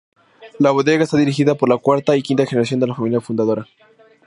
La bodega está dirigida por la cuarta y quinta generación de la familia fundadora.